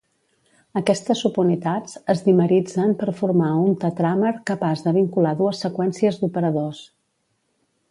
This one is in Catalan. Aquestes subunitats es dimeritzen per formar un tetràmer capaç de vincular dues seqüències d'operadors.